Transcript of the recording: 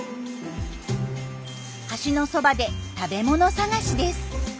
橋のそばで食べ物探しです。